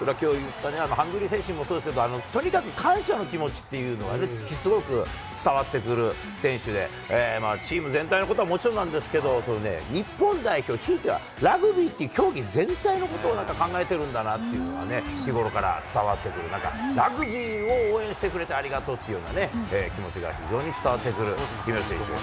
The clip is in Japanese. ハングリー精神もそうですけど、すごく、気持ちっていうのはね、すごく伝わってくる選手で、チーム全体のことはもちろんなんですけど、日本代表、ひいてはラグビーっていう競技全体のことを考えてるんだなっていうのがね、日頃から伝わってくる、ラグビーを応援してくれてありがとうっていうかね、気持ちが非常に伝わってくる姫野選手。